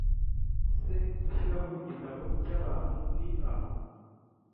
c gushyiraho igitabo cy abantu n aho